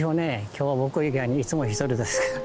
今日僕以外にいつも１人ですから。